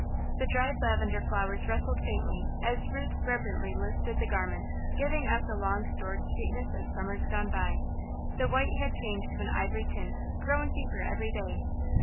The dried lavender flowers rustled faintly as Ruth reverently lifted the garments, giving out the long stored sweetness of Summers gone by. The white had changed to an ivory tint, growing deeper every day.